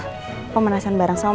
nama yang unitk memupung di bumi